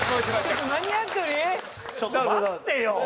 ちょっと待ってよ！